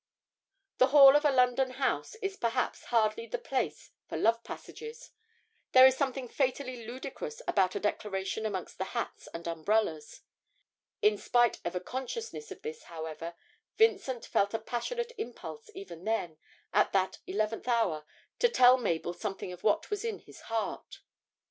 The hall of a London house is perhaps hardly the place for love passages there is something fatally ludicrous about a declaration amongst the hats and umbrellas. In spite of a consciousness of this, however, Vincent felt a passionate impulse even then, at that eleventh hour, to tell Mabel something of what was in his heart.